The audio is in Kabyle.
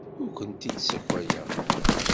Ur kent-id-ssakayeɣ.